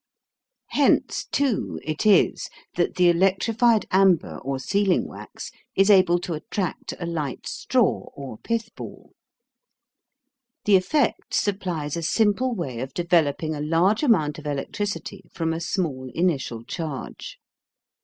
Hence, too, it is that the electrified amber or sealing wax is able to attract a light straw or pithball. The effect supplies a simple way of developing a large amount of electricity from a small initial charge.